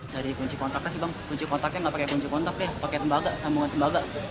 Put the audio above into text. dari kunci kontaknya sih bang kunci kontaknya nggak pakai kunci kontak deh pakai tembaga sambungan tembaga